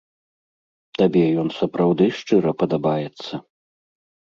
Табе ён сапраўды шчыра падабаецца?